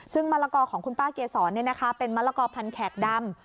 ซึ่งมะละกอของคุณป้าเกษรเป็นมะละกอพันธแขกดำ